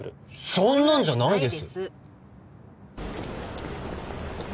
そんなんじゃないです